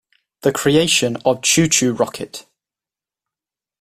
The creation of ChuChu Rocket!